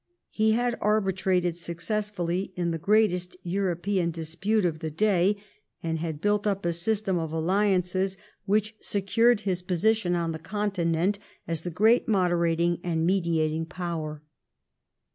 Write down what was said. He had arbitrated successfully in the greatest European dispute of the day, and had built up a system of alliances which secured his 176 EDWARD I chap. position on the Continent as the great moderating and mediating power.